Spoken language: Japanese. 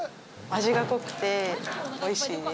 味が濃くておいしいです。